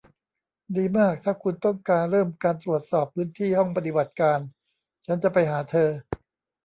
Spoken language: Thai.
ดีมากถ้าคุณต้องการเริ่มการตรวจสอบพื้นที่ห้องปฏิบัติการฉันจะไปหาเธอ